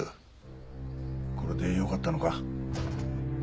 これでよかったのか？